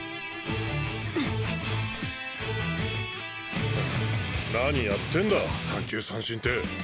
ハァ何やってんだ三球三振って。